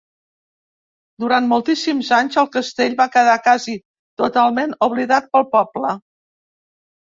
Durant moltíssims anys el castell va quedar casi totalment oblidat pel poble.